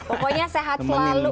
pokoknya sehat selalu